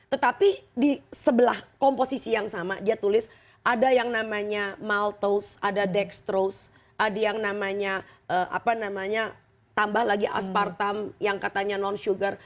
tetapi di sebelah komposisi yang sama dia tulis ada yang namanya maltos ada dextrose ada yang namanya apa namanya tambah lagi aspartam yang katanya non sugar